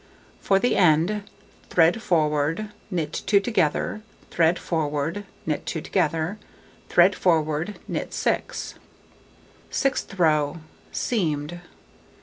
For the end: thread forward, knit 2 together, thread forward, knit 2 together, thread forward, knit 6. Sixth row: Seamed.